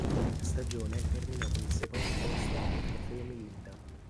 La stagione terminò con il secondo posto nel Trofeo Melinda.